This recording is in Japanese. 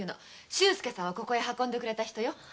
周介さんを運んでくれた人よ。